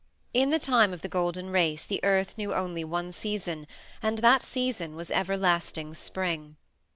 In the time of the Golden Race the earth knew only one season, and that season was everlasting Spring.